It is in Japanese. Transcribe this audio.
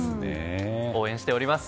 応援しております。